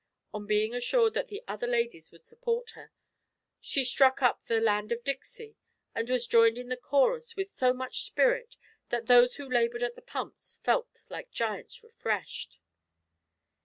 On being assured that the other ladies would support her, she struck up the "Land of Dixey," and was joined in the chorus with so much spirit that those who laboured at the pumps felt like giants refreshed.